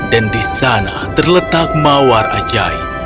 dan di sana terletak mawar ajaib